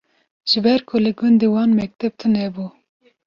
Ji ber ku li gundê wan mekteb tunebû